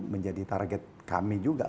menjadi target kami juga